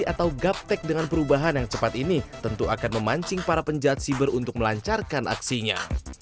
atau gaptek dengan perubahan yang cepat ini tentu akan memancing para penjahat siber untuk melancarkan aksinya